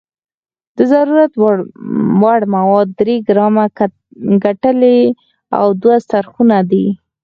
د ضرورت وړ مواد درې ګرامه کتلې او دوه څرخونه دي.